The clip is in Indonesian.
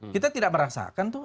kita tidak merasakan tuh